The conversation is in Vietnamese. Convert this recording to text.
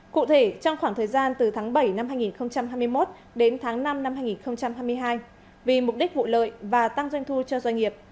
cụ thể trong khoảng thời gian từ tháng bảy năm hai nghìn hai mươi một đến tháng năm năm hai nghìn hai mươi hai vì mục đích vụ lợi và tăng doanh thu cho doanh nghiệp